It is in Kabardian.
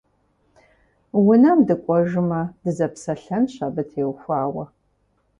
Унэм дыкӏуэжмэ, дызэпсэлъэнщ абы теухуауэ.